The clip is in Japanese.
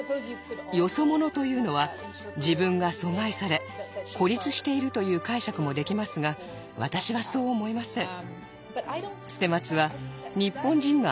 「よそ者」というのは自分が阻害され孤立しているという解釈もできますが私はそう思いません。